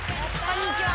こんにちは。